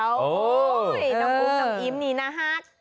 นองอุ๊มน้องอิ๊มนี่นะฮัก